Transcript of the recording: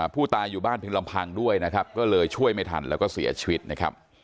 ผู้ตายอยู่บ้านเพียงลำพังด้วยนะครับก็เลยช่วยไม่ทันแล้วก็เสียชีวิตนะครับ